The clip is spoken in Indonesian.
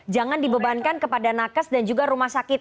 jangan dibebankan kepada nakes dan juga rumah sakit